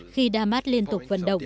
khi đa mát liên tục vận động